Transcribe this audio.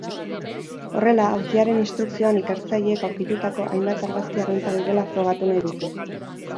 Horrela, auziaren instrukzioan ikertzaileek aurkitutako hainbat argazki arruntak direla frogatu nahi dute.